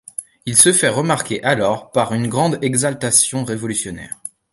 Il se fait remarquer alors par une grande exaltation révolutionnaire.